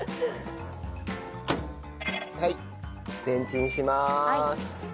はいレンチンします。